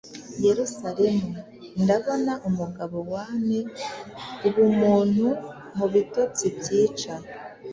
Yerusalemu: Ndabona Umugabo Wane, Ubumuntu Mubitotsi Byica